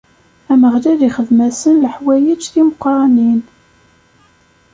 Ameɣlal ixdem-asen leḥwayeǧ timeqrranin.